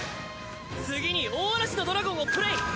次に大嵐のドラゴンをプレイ。